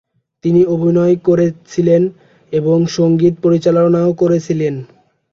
তিনি অভিনয় করেছিলেন এবং সংগীত পরিচালনাও করেছিলেন।